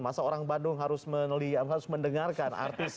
masa orang bandung harus mendengarkan